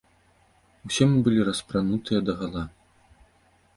Усе мы былі распранутыя дагала.